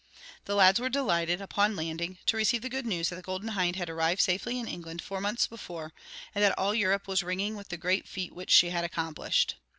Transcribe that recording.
The lads were delighted, upon landing, to receive the news that the Golden Hind had arrived safely in England four months before, and that all Europe was ringing with the great feat which she had accomplished.